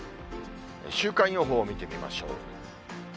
週間予報を見てみましょう。